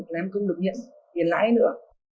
là em không được nhận tiền lãi nữa